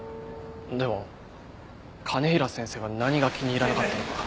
でも兼平先生は何が気に入らなかったのか。